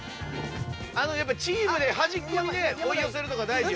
チームで端っこに追い寄せるとか大事よ。